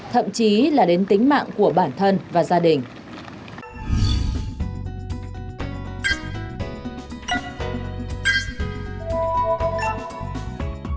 thậm chí là đến tính mạng của bản thân và gia đình